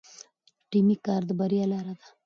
ټیمي کار د بریا لاره ده.